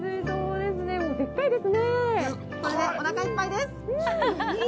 これで、おなかいっぱいです。